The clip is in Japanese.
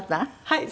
はい。